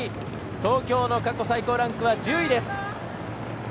東京の過去最高ランクは１０位。